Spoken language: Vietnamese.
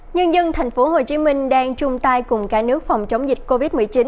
nhân dân tp hcm đang chung tay cùng cả nước phòng chống dịch covid một mươi chín